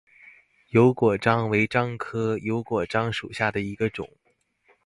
油果樟为樟科油果樟属下的一个种。